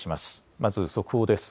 まず速報です。